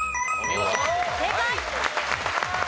正解！